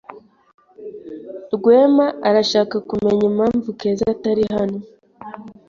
Rwema arashaka kumenya impamvu Keza atari hano.